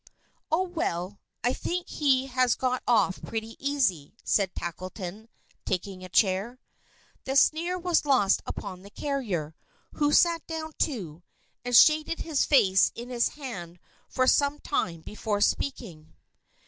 "Oh! Well, I think he has got off pretty easy," said Tackleton, taking a chair. The sneer was lost upon the carrier, who sat down, too, and shaded his face in his hand for some time before speaking.